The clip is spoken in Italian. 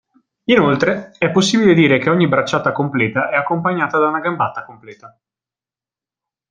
Inoltre, è possibile dire che ogni bracciata completa è accompagnata da una gambata completa.